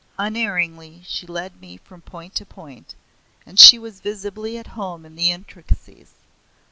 Unerringly she led me from point to point, and she was visibly at home in the intricacies.